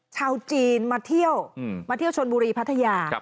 ชาวจีนมาเที่ยวมาเที่ยวชนบุรีพัทยา